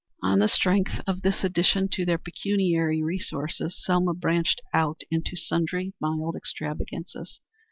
On the strength of this addition to their pecuniary resources, Selma branched out into sundry mild extravagances.